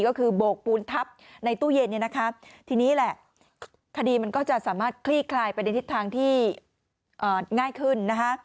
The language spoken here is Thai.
ก็คือโบกปูนทับในตู้เย็นทีนี้คดีมันก็จะสามารถคลี่คลายไปทิศทางที่ง่ายขึ้น